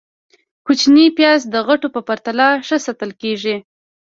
- کوچني پیاز د غټو په پرتله ښه ساتل کېږي.